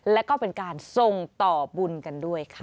แล้วก็เป็นการส่งต่อบุญกันด้วยค่ะ